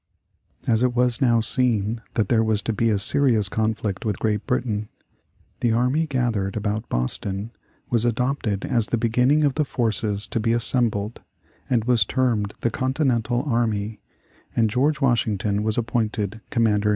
As it was now seen that there was to be a serious conflict with Great Britain, the army gathered about Boston was adopted as the beginning of the forces to be assembled and was termed the Continental Army, and George Washington was appointed commander in chief.